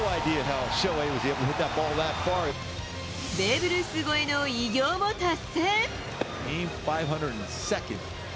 ベーブ・ルース超えの偉業も達成。